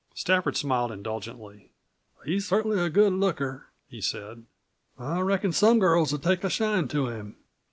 Stafford smiled indulgently. "He's cert'nly a good looker," he said. "I reckon some girls would take a shine to him.